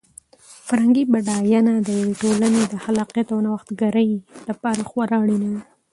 فرهنګي بډاینه د یوې ټولنې د خلاقیت او د نوښتګرۍ لپاره خورا اړینه ده.